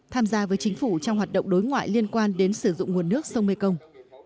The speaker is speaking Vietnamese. tham gia với chính phủ trong hoạt động đối ngoại liên quan đến sử dụng nguồn nước sông mekong